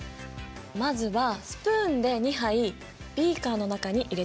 まずはスプーンで２杯ビーカーの中に入れてみて。